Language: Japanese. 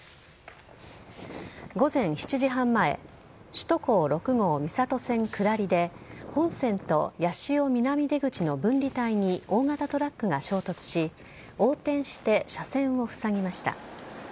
午前７時半前、首都高６号三郷線下りで、本線と八潮南出口の分離帯に大型トラックが衝突し、横転して車線を塞ぎました。